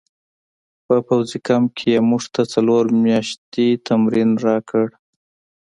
په پوځي کمپ کې یې موږ ته څلور میاشتې تمرین راکړ